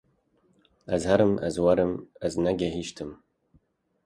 Ez herim, ez werim, ez ne gehîştim